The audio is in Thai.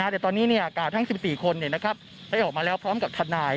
แต่ตอนนี้กล่าวทั้ง๑๔คนได้ออกมาแล้วพร้อมกับทนาย